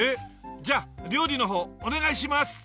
じゃあ料理の方お願いします。